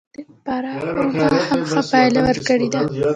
د فراه خرما هم ښه پایله ورکړې ده.